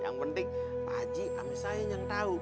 yang penting pak waji kami sayang yang tau